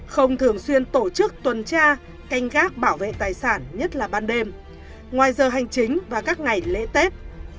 không thường xuyên tổ chức tuần tra canh gác bảo vệ tài sản nhất là ban đêm ngoài giờ hành chính và các ngày lễ tết